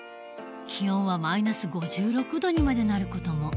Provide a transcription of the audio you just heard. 気温はマイナス５６度にまでなる事も。